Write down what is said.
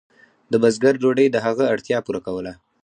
د بزګر ډوډۍ د هغه اړتیا پوره کوله.